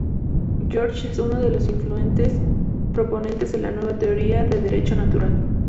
George es uno de los influyentes proponentes de la "Nueva Teoría de Derecho Natural".